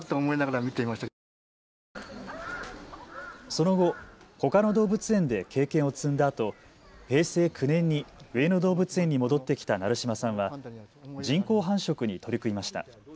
その後、ほかの動物園で経験を積んだあと平成９年に上野動物園に戻ってきた成島さんは人工繁殖に取り組みました。